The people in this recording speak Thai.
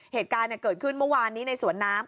เหตุการณ์เกิดขึ้นเมื่อวานนี้ในสวนน้ำ